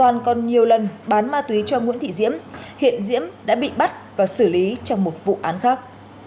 toàn còn nhiều lần bán ma túy cho nguyễn thị diễm hiện diễm đã bị bắt và xử lý trong một vụ án khác